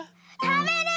たべる！